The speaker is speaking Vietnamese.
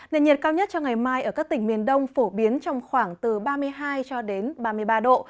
nền nhiệt cao nhất cho ngày mai ở các tỉnh miền đông phổ biến trong khoảng từ ba mươi hai cho đến ba mươi ba độ